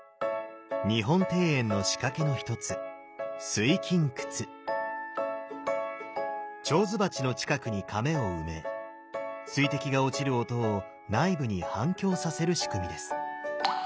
日本庭園の仕掛けの一つ手水鉢の近くに甕を埋め水滴が落ちる音を内部に反響させる仕組みです。